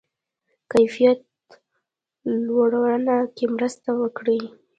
کیفیت لوړونه کې مرسته وکړي.